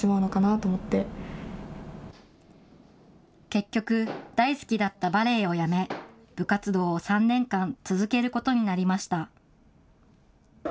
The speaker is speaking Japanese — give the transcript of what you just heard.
結局、大好きだったバレエをやめ、部活動を３年間続けることになりました。